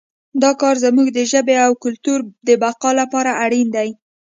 دا کار زموږ د ژبې او کلتور د بقا لپاره اړین دی